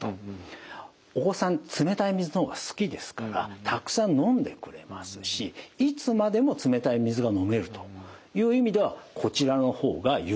お子さん冷たい水の方が好きですからたくさん飲んでくれますしいつまでも冷たい水が飲めるという意味ではこちらの方が有効です。